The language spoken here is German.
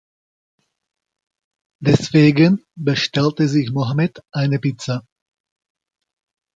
Deswegen bestellte sich Mohammed eine Pizza.